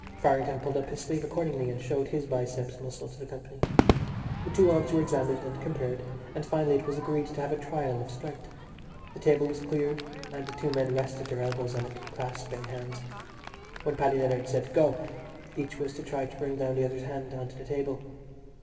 Farrington pulled up his sleeve accordingly and showed his biceps muscle to the company. The two arms were examined and compared and finally it was agreed to have a trial of strength. The table was cleared and the two men rested their elbows on it, clasping hands. When Paddy Leonard said "Go!" each was to try to bring down the other's hand on to the table.